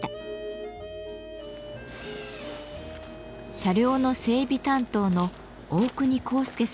車両の整備担当の大國浩輔さんです。